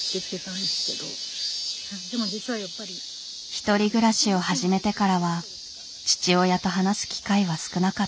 １人暮らしを始めてからは父親と話す機会は少なかった。